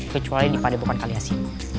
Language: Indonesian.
kecuali di pada bukan kaliasi